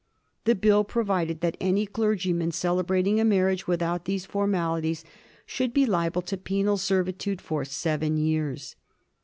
The Bill provided that any clergyman celebrating a mar riage without these formalities should be liable to penal servitude for seven years.